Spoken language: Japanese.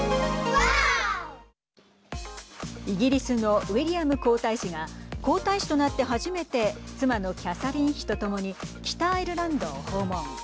イギリスのウィリアム皇太子が皇太子となって初めて妻のキャサリン妃と共に北アイルランドを訪問。